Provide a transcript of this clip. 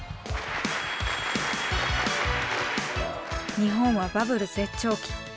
日本はバブル絶頂期。